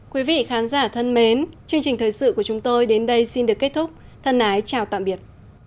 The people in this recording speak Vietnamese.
quý vị khán giả thân mến chương trình thời sự của chúng tôi đến đây xin được kết thúc thân ái chào tạm biệt